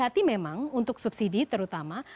hati hati memang untuk subsidi terutama